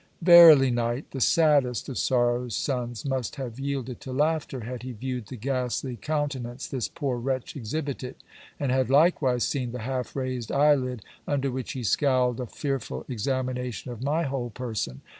Verily Knight, the saddest of sorrow's sons must have yielded to laughter had he viewed the ghastly countenance this poor wretch exhibited, and had likewise seen the half raised eye lid, under which he scowled a fearful examination of my whole person.